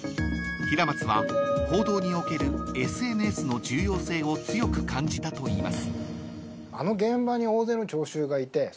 平松は報道におけるＳＮＳの重要性を強く感じたといいます］